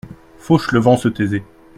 Fauchelevent se taisait.